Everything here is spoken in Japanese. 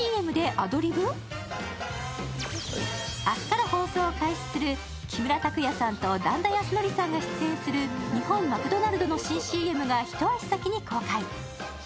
明日から放送を開始する木村拓哉さんと段田安則さんが出演する日本マクドナルドの新ＣＭがひと足先に公開。